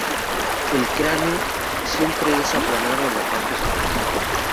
El cráneo siempre es aplanado en la parte superior.